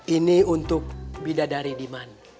ini untuk bidadari diman